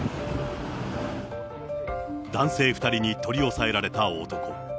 男性２人に取り押さえられた男。